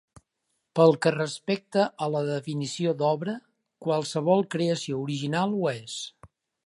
Pel que respecta a la definició d'obra, qualsevol creació original ho és.